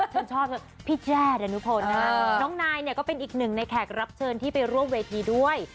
ฉันชอบพี่แจ้ดานุพลนะฮะน้องนายเนี่ยก็เป็นอีกหนึ่งในแขกรับเชิญที่ไปร่วมเวทีด้วย